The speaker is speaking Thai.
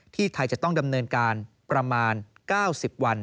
ไทยจะต้องดำเนินการประมาณ๙๐วัน